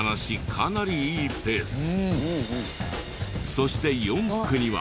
そして４区には。